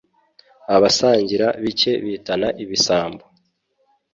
abasangira bike bitana ibisambo